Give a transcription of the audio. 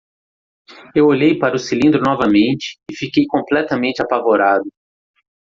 Eu olhei para o cilindro novamente e fiquei completamente apavorado.